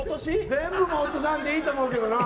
全部落とさんでいいと思うけどな。